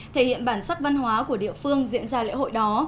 thể hiện bản sắc văn hóa của địa phương diễn ra lễ hội đó